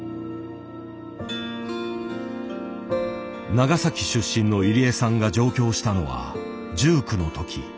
長崎出身の入江さんが上京したのは１９の時。